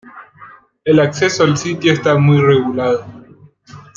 El acceso al sitio está muy regulado.